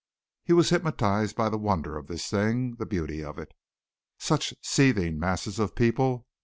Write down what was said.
He was hypnotized by the wonder of this thing the beauty of it. Such seething masses of people!